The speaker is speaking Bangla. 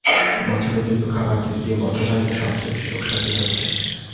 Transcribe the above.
মাছের অতিরিক্ত খাবার দিতে গিয়ে মৎস্যচাষিদের সবচেয়ে বেশি লোকসান দিতে হচ্ছে।